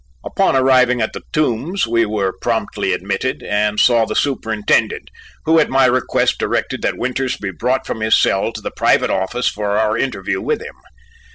Upon arriving at the Tombs we were promptly admitted, and saw the superintendent, who at my request directed that Winters be brought from his cell to the private office for our interview with him.